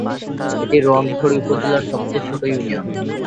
এটি রোয়াংছড়ি উপজেলার সবচেয়ে ছোট ইউনিয়ন।